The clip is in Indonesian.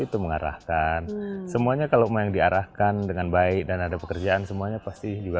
itu mengarahkan semuanya kalau mau yang diarahkan dengan baik dan ada pekerjaan semuanya pasti juga